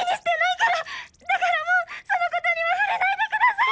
だからもうそのことには触れないでください！